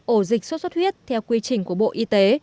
ổ dịch xuất xuất huyết theo quy trình của bộ y tế